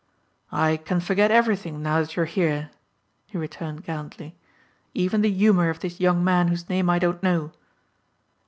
"I can forget everything now that you are here," he returned gallantly, "even the humour of this young man whose name I don't know."